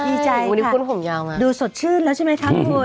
ดีใจค่ะดูสดชื่นแล้วใช่ไหมครับครูอ้วน